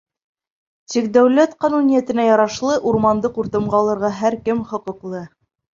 Тик, дәүләт ҡануниәтенә ярашлы, урманды ҡуртымға алырға һәр кем хоҡуҡлы.